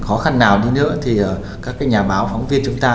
khó khăn nào đi nữa thì các nhà báo phóng viên chúng ta